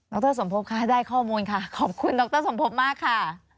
รสมภพค่ะได้ข้อมูลค่ะขอบคุณดรสมภพมากค่ะ